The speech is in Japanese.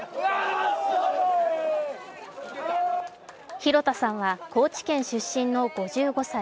広田さんは高知県出身の５５歳。